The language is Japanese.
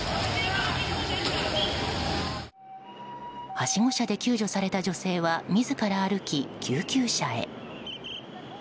はしご車で救助された女性は自ら歩き救急車へ。